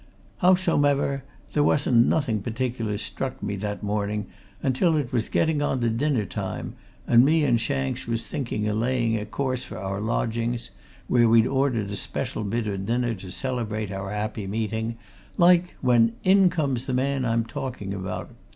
Howsomever, there wasn't nothing partic'lar struck me that morning until it was getting on to dinner time, and me an Shanks was thinking o' laying a course for our lodgings, where we'd ordered a special bit o' dinner to celebrate our happy meeting, like, when in comes the man I'm a talking about.